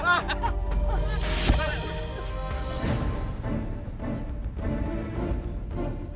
ibu bu amendment